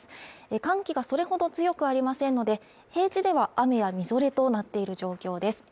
寒気がそれほど強くありませんので平地では雨やみぞれとなっている状況です